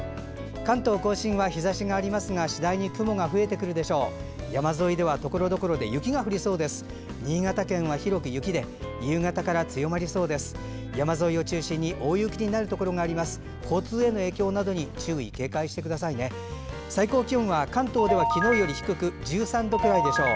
関東・甲信は日ざしがありますが次第に雲が増えてくるでしょう。